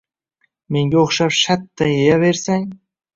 Menga o‘xshab shatta yeyversang